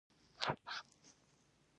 شتمنۍ احصایې منفي اغېزمنېږي.